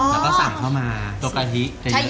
แล้วก็สั่งเข้ามาตัวกะทิจะเยอะ